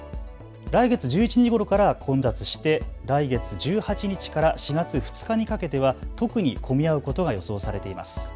来月１１日ごろから混雑して来月１８日から４月２日にかけては特に混み合うことが予想されています。